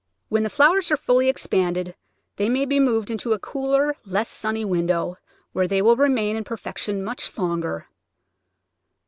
When the flowers are fully expanded they may be moved into a cooler, less sunny window, where they will remain in perfection much longer.